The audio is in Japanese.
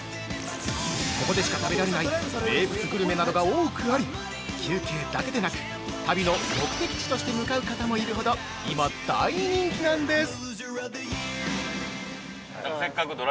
ここでしか食べられない名物グルメなどが多くあり、休憩だけでなく、旅の目的地として向かう方もいるほど、今、大人気なんです！